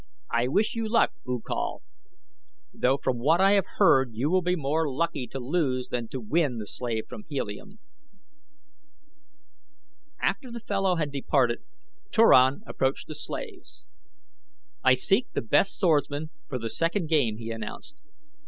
I wish you luck, U Kal, though from what I have heard you will be more lucky to lose than to win the slave from Helium." After the fellow had departed Turan approached the slaves. "I seek the best swordsmen for the second game," he announced.